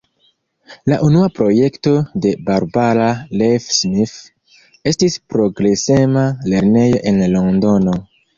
La unua projekto de Barbara Leigh Smith estis progresema lernejo en Londono.